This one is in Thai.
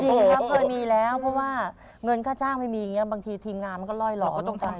จริงครับเคยมีแล้วเพราะว่าเงินค่าจ้างไม่มีบางทีทีมงานมันก็ลอยหลอนลงไป